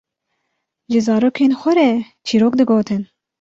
ji zarokên xwe re çîrok digotin.